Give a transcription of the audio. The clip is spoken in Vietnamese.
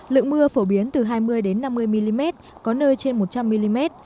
lượng mưa phổ biến từ hai mươi năm mươi mm có nơi trên một trăm linh mm